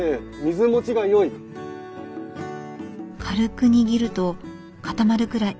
軽く握ると固まるくらい。